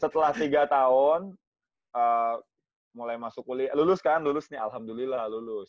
setelah tiga tahun mulai masuk lulus kan lulus nih alhamdulillah lulus